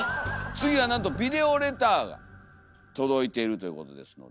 次はなんとビデオレターが届いてるということですので。